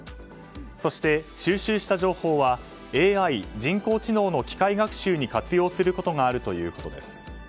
そして、収集した情報はＡＩ・人工知能の機械学習に活用することがあるということです。